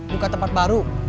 buka tempat baru